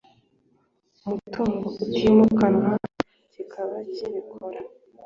Mutungo utimukanwa kikaba kibikora